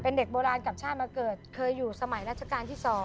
เป็นเด็กโบราณกับชาติมาเกิดเคยอยู่สมัยรัชกาลที่๒